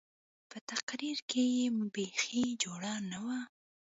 په تقرير کښې يې بيخي جوړه نه وه.